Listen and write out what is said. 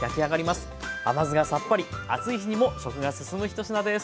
甘酢がさっぱり暑い日にも食が進む一品です。